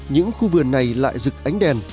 những khu vườn này lại rực ánh đèn